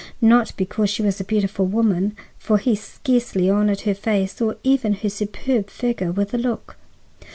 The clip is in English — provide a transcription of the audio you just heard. Not because she was a beautiful woman, for he scarcely honored her face or even her superb figure with a look.